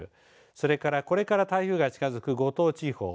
それからこれから台風が近づく五島地方。